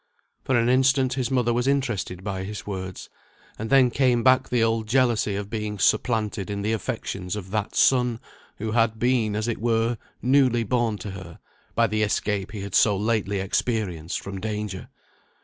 For an instant his mother was interested by his words; and then came back the old jealousy of being supplanted in the affections of that son, who had been, as it were, newly born to her, by the escape he had so lately experienced from danger.